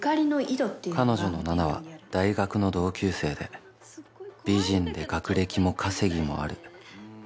敦：彼女の菜々は大学の同級生で美人で学歴も稼ぎもある。